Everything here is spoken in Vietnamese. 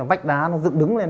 vách đá nó dựng đứng lên